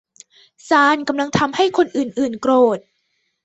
ซาลกำลังทำให้คนอื่น ๆ โกรธ